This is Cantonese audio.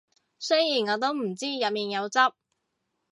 雖然我都唔知入面有汁